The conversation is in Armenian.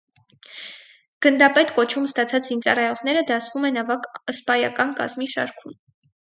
Գնդապետ կոչում ստացած զինծառայողները դասվում են ավագ սպայական կազմի շարքում։